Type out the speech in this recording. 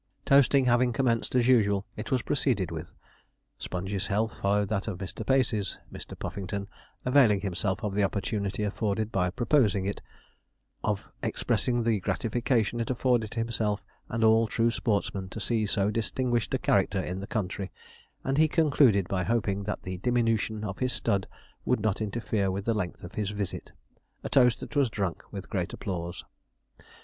Toasting having commenced, as usual, it was proceeded with. Sponge's health followed that of Mr. Pacey's, Mr. Puffington availing himself of the opportunity afforded by proposing it, of expressing the gratification it afforded himself and all true sportsmen to see so distinguished a character in the country; and he concluded by hoping that the diminution of his stud would not interfere with the length of his visit a toast that was drunk with great applause.